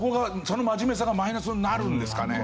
その真面目さがマイナスになるんですかね？